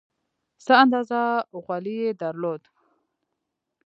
څه اندازه غولی یې درلود.